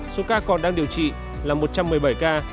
số ca còn đang điều trị là một trăm một mươi bảy ca